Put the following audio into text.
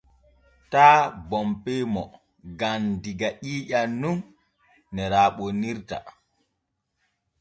Taa bonpen mo gam diga ƴiiƴan nun ne raaɓontirta.